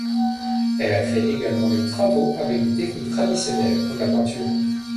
Elle a créé également des travaux avec des techniques traditionnelles, comme la peinture.